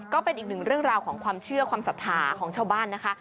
ก็เป็นอีกหนึ่งเรื่องราวของความเชื่อความศรัทธาของชาวบ้านนะคะ